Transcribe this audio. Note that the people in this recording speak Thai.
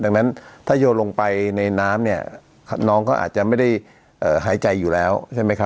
ดังนั้นถ้าโยนลงไปในน้ำเนี่ยน้องเขาอาจจะไม่ได้หายใจอยู่แล้วใช่ไหมครับ